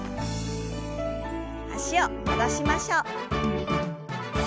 脚を戻しましょう。